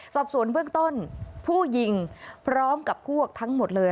สอบสวนเบื้องต้นผู้ยิงพร้อมกับพวกทั้งหมดเลย